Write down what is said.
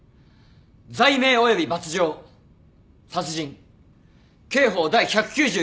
罪名及び罰条殺人刑法第１９９条。